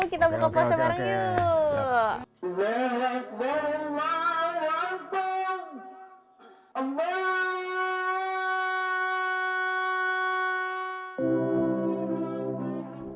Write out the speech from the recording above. kita buka puasa bareng yuk